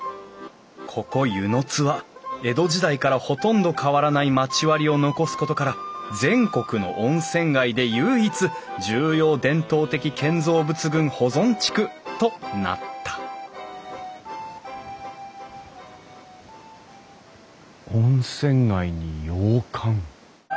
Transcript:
ここ温泉津は江戸時代からほとんど変わらない町割りを残すことから全国の温泉街で唯一重要伝統的建造物群保存地区となった温泉街に洋館。